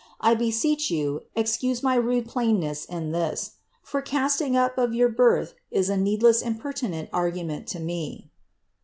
I beseech ]rou, excuse my rude plainness in this: for catting up of jrour birth is a needless impertinent argument to me.